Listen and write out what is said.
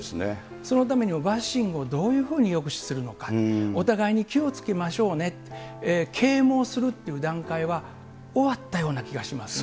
そのためにもバッシングをどういうふうに抑止するのか、お互いに気をつけましょうね、啓もうするっていう段階は終わったような気がしますね。